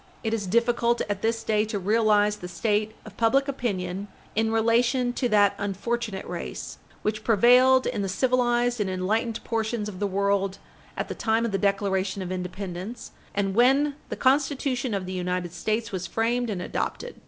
It is difficult at this day to realize the state of public opinion in relation to that unfortunate race which prevailed in the civilized and enlightened portions of the world at the time of the Declaration of Independence and when the Constitution of the United States was framed and adopted.